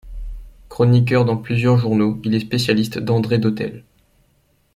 Chroniqueur dans plusieurs journaux, il est spécialiste d'André Dhôtel.